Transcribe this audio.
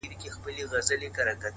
د حقیقت منل د ودې دروازه ده،